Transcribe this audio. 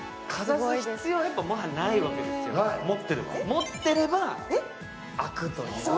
持ってれば開くという。